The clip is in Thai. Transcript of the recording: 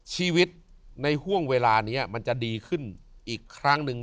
ชีวิตในห่วงเวลานี้มันจะดีขึ้นอีกครั้งหนึ่ง